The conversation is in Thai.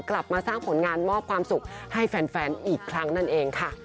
กลับมาสร้างผลงานมอบความสุขให้แฟนอีกครั้งนั่นเองค่ะ